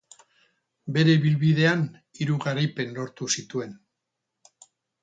Bere ibilbidean hiru garaipen lortu zituen.